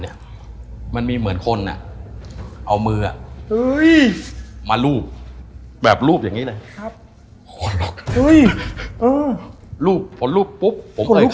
เอามือคือเฮ้ยมารูปแบบรูปอย่างนี้เลย